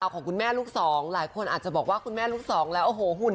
ของคุณแม่ลูกสองหลายคนอาจจะบอกว่าคุณแม่ลูกสองแล้วโอ้โหหุ่น